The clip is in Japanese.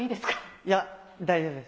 いや、大丈夫です。